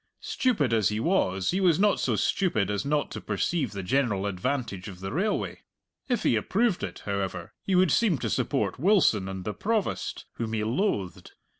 Stupid as he was, he was not so stupid as not to perceive the general advantage of the railway. If he approved it, however, he would seem to support Wilson and the Provost, whom he loathed.